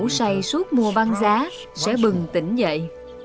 ngủ say suốt mùa văn giá sẽ bừng tỉnh dậy